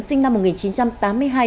sinh năm một nghìn chín trăm tám mươi hai